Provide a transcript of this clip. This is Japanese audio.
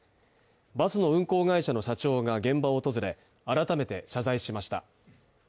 バスの運行会社の社長が現場を訪れ、改めて謝罪しました。